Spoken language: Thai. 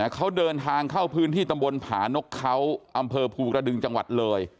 เขาเดินทางเข้าพื้นที่ตำบลผานกเขาอำเภอภูกระดึงจังหวัดเลย